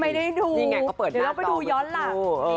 ไม่ได้ดูเดี๋ยวเราไปดูย้อนล่ะ